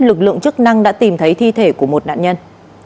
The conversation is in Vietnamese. lực lượng chức năng đã tìm thấy thi thể của một nạn nhân